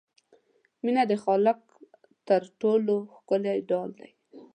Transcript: مینه د خالق تر ټولو ښکلی ډال دی.